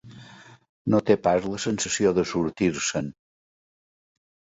No té pas la sensació de sortir-se'n.